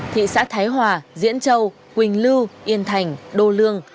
thị xã thái hòa diễn châu quỳnh lưu yên thành đô lương